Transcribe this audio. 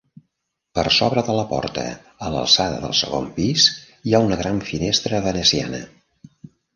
Per sobre de la porta a l'alçada del segon pis hi ha una gran finestra veneciana.